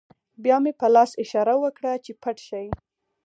بیا مې په لاس اشاره وکړه چې پټ شئ